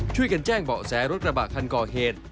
ช่วยกันแจ้งเบาะแสรถกระบะคันก่อเหตุ